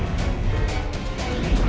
apakah itu terjadi karena maha